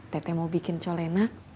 tete mau bikin col enak